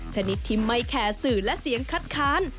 ชนิดที่ไม่แคร์สื่อและเสียงคัดค้าน